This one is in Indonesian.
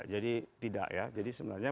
jadi tidak ya jadi sebenarnya